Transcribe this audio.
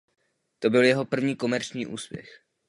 To byl jeho první komerční úspěch.